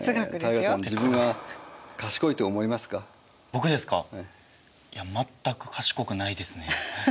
僕ですかいや全く賢くないですね。